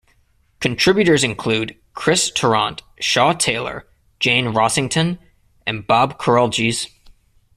Contributors include Chris Tarrant, Shaw Taylor, Jane Rossington and Bob Carolgees.